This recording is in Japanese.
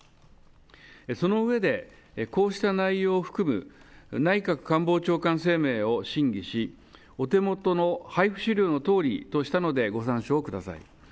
その上で、こうした内容を含む内閣官房長官声明を審議しお手元の配布資料のとおりとしたのでご参照ください。